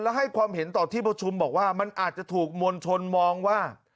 และให้ความเห็นต่อที่ประชุมบอกว่ามันอาจจะถูกมวลชนมองว่า